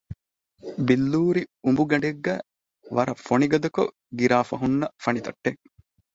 ބިއްލޫރި އުނބުގަނޑެއްގައި ވަރަށް ފޮނިގަދަކޮށް ގިރާފައި ހުންނަ ފަނިތަށްޓެއް